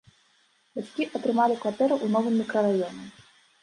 Бацькі атрымалі кватэру ў новым мікрараёне.